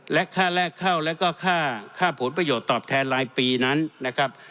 และค่าแรกเข้าแล้วก็ค่าผลประโยชน์ตอบแทนรายปีนั้นนะครับ